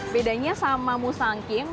bedanya sama nusanking